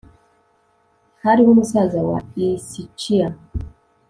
hariho umusaza wa ischia